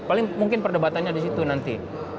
paling mungkin perdebatannya di situ nanti